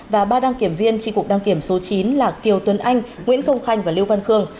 và ba đăng kiểm viên tri cục đăng kiểm số chín là kiều tuấn anh nguyễn công khanh và liêu văn khương